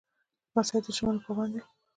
لمسی د ژمنو پابند وي.